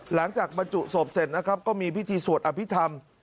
บรรจุศพเสร็จนะครับก็มีพิธีสวดอภิษฐรรม